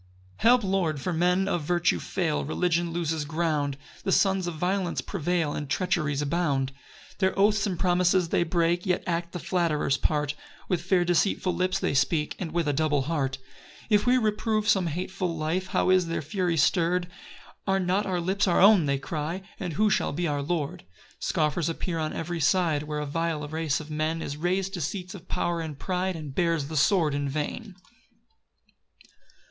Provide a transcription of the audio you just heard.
1 Help, Lord, for men of virtue fail, Religion loses ground, The sons of violence prevail, And treacheries abound. 2 Their oaths and promises they break, Yet act the flatterer's part; With fair deceitful lips they speak, And with a double heart. 3 If we reprove some hateful lie, How is their fury stirr'd! "Are not our lips our own" they cry, "And who shall be our lord?" 4 Scoffers appear on every side, Where a vile race of men Is rais'd to seats of power and pride, And bears the sword in vain.